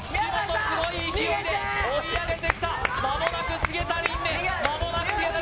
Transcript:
すごい勢いで追い上げてきたまもなく菅田琳寧まもなく菅田琳寧